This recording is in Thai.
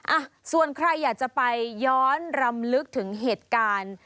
อ่ะส่วนใครอยากจะไปย้อนรำลึกถึงเหตุการณ์